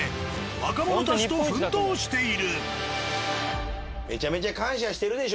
若者たちと奮闘している。